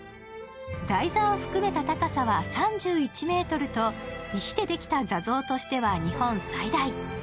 台座を含めた高さは３１ｍと、石でできた座像としては日本最大。